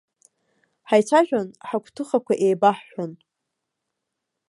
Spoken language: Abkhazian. Ҳаицәажәон, ҳагәҭыхақәа еибаҳҳәон.